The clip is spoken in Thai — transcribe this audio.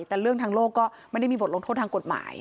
แต่เรื่องทางโลกก็ไม่ได้มีบทลงโทษทางกฎหมาย